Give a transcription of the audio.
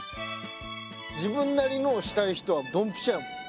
自分なりのをしたい人はドンピシャやもん。